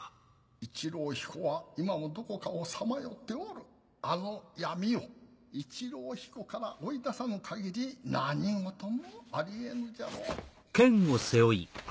一郎彦は今もどこかをさまよっておるあの闇を一郎彦から追い出さぬ限り何事もあり得ぬじゃろう。